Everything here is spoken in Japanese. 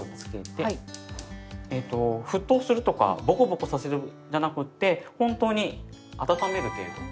沸騰するとかボコボコさせるんじゃなくって本当に温める程度。